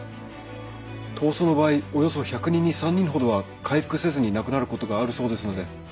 痘瘡の場合およそ１００人に３人ほどは回復せずに亡くなることがあるそうですので。